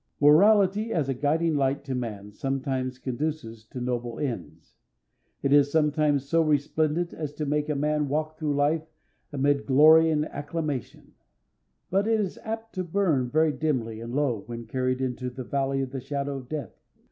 Morality as a guiding light to man sometimes conduces to noble ends. It is sometimes so resplendent as to make a man walk through life amid glory and acclamation; but it is apt to burn very dimly and low when carried into the "valley of the shadow of death."